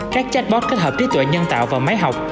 các chatbot kết hợp trí tuệ nhân tạo và máy học